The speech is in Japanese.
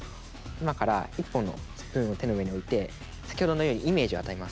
今から１本のスプーンを手の上に置いて先ほどのようにイメージを与えます。